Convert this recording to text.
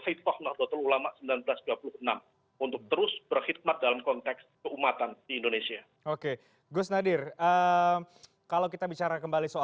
haith fahna bahutul ulama seribu sembilan ratus dua puluh enam